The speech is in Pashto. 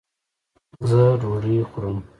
ځه ډوډي خورم